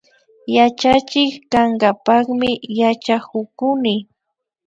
Yachachik kankapakmi yachakukuni